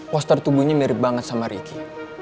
poster tubuhnya mirip banget sama ricky